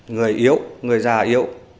người yếu người già yếu